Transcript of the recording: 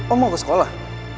om mau ke sekolah